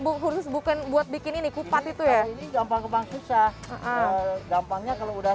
buku buku sebuah bikin ini kupat itu ya gampang gampang susah gampangnya kalau udah